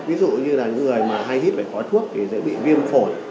ví dụ như là những người mà hay hít phải khói thuốc thì dễ bị viêm phổi